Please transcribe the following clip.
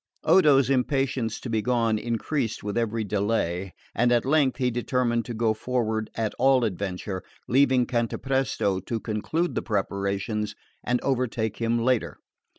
Odo's impatience to be gone increased with every delay, and at length he determined to go forward at all adventure, leaving Cantapresto to conclude the preparations and overtake him later.